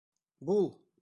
Бул!